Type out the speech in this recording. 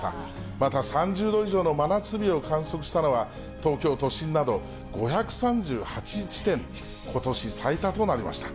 また３０度以上の真夏日を観測したのは、東京都心など５３８地点、ことし最多となりました。